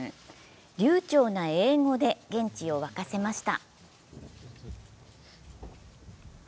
流ちょうな英語で現地を沸かせました。